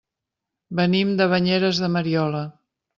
Venim de Banyeres de Mariola.